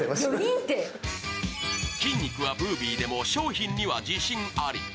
筋肉はブービーでも商品には自信あり。